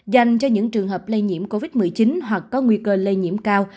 dành cho những trường hợp lây nhiễm covid một mươi chín hoặc có nguy cơ lây nhiễm cao